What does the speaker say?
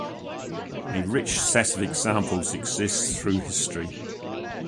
A rich set of examples exist through history.